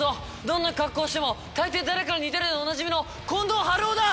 どんな格好しても大抵誰かに似ているでおなじみの近藤春夫だ！